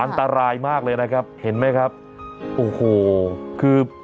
อันตรายมากเลยนะครับเห็นไหมครับโอ้โหคือ